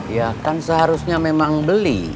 ya kan seharusnya memang beli